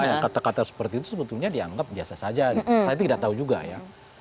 ya kata kata seperti itu sebetulnya dianggap biasa saja saya tidak tahu juga ya